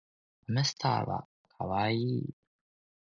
ハムスターはかわいい